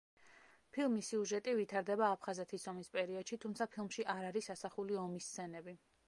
ფილმის სიუჟეტი ვითარდება აფხაზეთის ომის პერიოდში, თუმცა ფილმში არ არის ასახული ომის სცენები.